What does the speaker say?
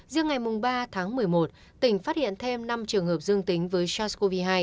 riêng ngày ba tháng một mươi một tỉnh phát hiện thêm năm trường hợp dương tính với sars cov hai